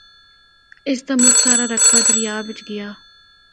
اس دا مُچ سارا رقبہ دریا بچ گیا۔